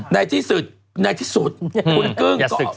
ในที่สุดคุณกลึ้ง